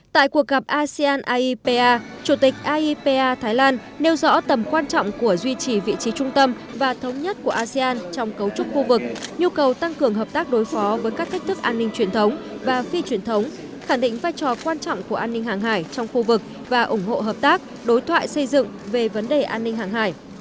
tại cuộc gặp asean aepa chủ tịch aepa thái lan nêu rõ tầm quan trọng của duy trì vị trí trung tâm và thống nhất của asean trong cấu trúc khu vực nhu cầu tăng cường hợp tác đối phó với các cách thức an ninh truyền thống và phi truyền thống khẳng định vai trò quan trọng của an ninh hàng hải trong khu vực và ủng hộ hợp tác đối thoại xây dựng về vấn đề an ninh hàng hải